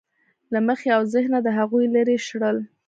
له مخې او ذهنه د هغوی لرې شړل.